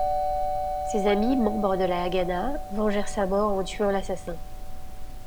Ses amis, membres de la Hagana, vengèrent sa mort en tuant l'assassin.